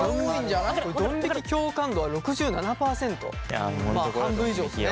ドン引き共感度は６７％半分以上ですね。